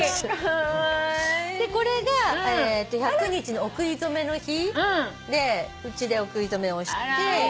でこれが１００日のお食い初めの日でうちでお食い初めをして。